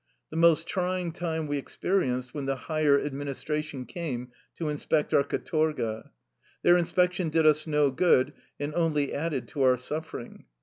The most trying time we experienced when the higher administration came to inspect our ka torga. Their inspection did us no good, and only added to our suffering.